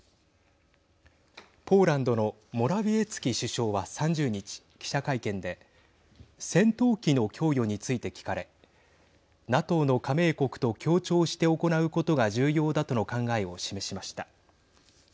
ポーランドのモラウィエツキ首相は３０日記者会見で戦闘機の供与について聞かれＮＡＴＯの加盟国と協調して行うことが重要だとの考えを示しました。